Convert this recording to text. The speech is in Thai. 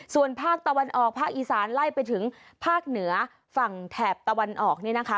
ส่วนภาคตะวันออกภาคอีสานไล่ไปถึงภาคเหนือฝั่งแถบตะวันออกเนี่ยนะคะ